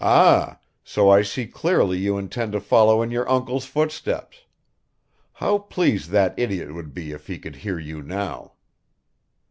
"Ah, so I see clearly you intend to follow in your uncle's footsteps. How pleased that idiot would be if he could hear you now!"